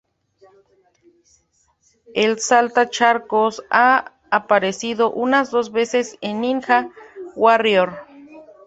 El Salta Charcos ha aparecido unas dos veces en Ninja Warrior.